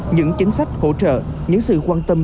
những chính sách hỗ trợ những sự quan tâm